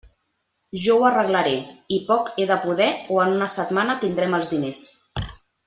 Jo ho arreglaré, i poc he de poder o en una setmana tindrem els diners.